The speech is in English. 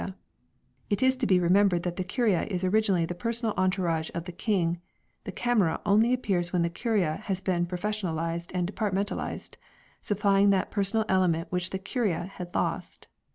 f, r ^' r f a n ,1 the It is to be remembered that the " Curia " is originally the personal entourage of the King; the " Camera" only appears when the " Curia " has been professional ized and departmentalized, supplying that personal element which the " Curia" had lost.